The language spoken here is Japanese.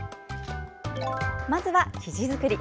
まずは生地作り。